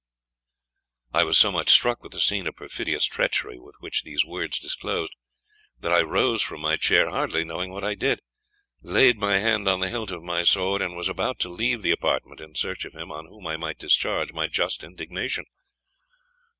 I was so much struck with the scene of perfidious treachery which these words disclosed, that I rose from my chair hardly knowing what I did, laid my hand on the hilt of my sword, and was about to leave the apartment in search of him on whom I might discharge my just indignation.